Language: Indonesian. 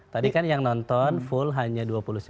tadi kan yang nonton full hanya dua puluh sembilan